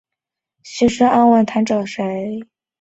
该文物保护单位由集安市文物局管理。